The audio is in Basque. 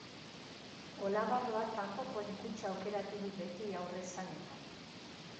Olagarroak kanpokoen kutxa aukeratu du beti aurresanetan.